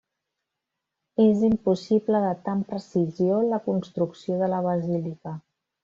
És impossible datar amb precisió la construcció de la basílica.